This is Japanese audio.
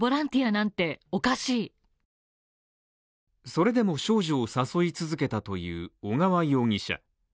それでも少女を誘い続けたという小川容疑者。